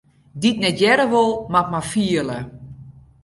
Dy't net hearre wol, moat mar fiele.